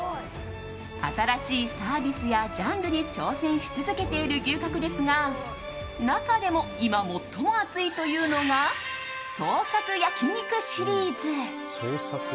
新しいサービスやジャンルに挑戦し続けている牛角ですが中でも今最も熱いというのが創作焼肉シリーズ。